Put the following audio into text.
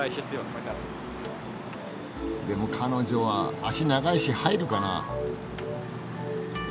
でも彼女は脚長いし入るかな？